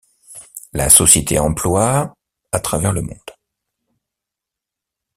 La société emploie à travers le monde.